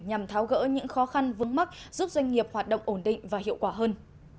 nhằm tháo gỡ những khó khăn vững mắc giúp doanh nghiệp hoạt động ổn định và hiệu quả hơn